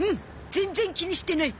全然気にしてない。